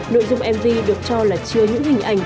nội dung mv được cho là chưa những hình ảnh